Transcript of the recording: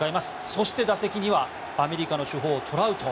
そして打席にはアメリカの主砲、トラウト。